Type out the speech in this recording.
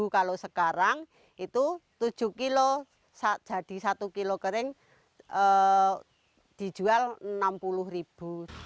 kalau sekarang itu tujuh kg jadi satu kg kering dijual rp enam puluh